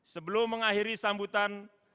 sebelum mengakhiri sambutan